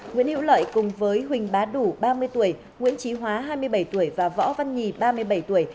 nguyễn hữu lợi cùng với huỳnh bá đủ ba mươi tuổi nguyễn trí hóa hai mươi bảy tuổi và võ văn nhì ba mươi bảy tuổi